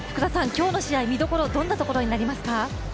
今日の試合、見どころどんなところになりますか。